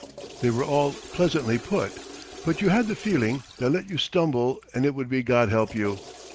They were all pleasantly put, but you had the feeling that let you stumble and it would be God help you.